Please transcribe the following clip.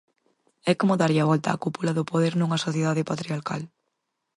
É como darlle a volta á cúpula do poder nunha sociedade patriarcal.